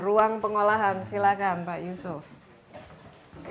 ruang pengolahan silakan pak yusuf